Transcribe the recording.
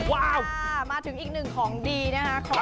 ว้าวมาถึงอีกหนึ่งของดีนะคะ